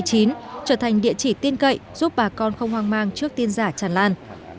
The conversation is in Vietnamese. trở thành địa chỉ tiên cậy giúp bà con không hoang mang trước tiên giả chẳng làn